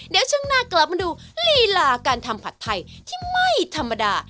เดี๋ยวช่วงหน้ากลับมาดูลีลาการทำผัดไทยที่ไม่ธรรมดา